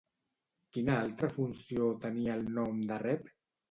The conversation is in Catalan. Quina altra funció tenia el nom de Reve?